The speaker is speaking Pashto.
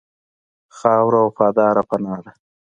خاوره وفاداره پناه ده.